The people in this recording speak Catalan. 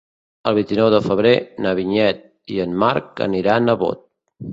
El vint-i-nou de febrer na Vinyet i en Marc aniran a Bot.